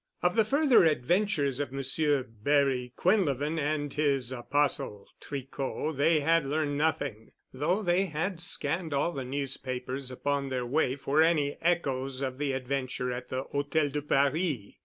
Of the further adventures of Monsieur Barry Quinlevin and his apostle Tricot they had learned nothing, though they had scanned all the newspapers upon their way for any echoes of the adventure at the Hôtel de Paris.